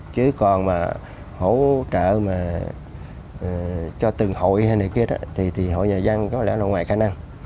chứ còn mà hỗ trợ mà cho từng hội hay này kia thì hội nhà dân có lẽ là ngoài khả năng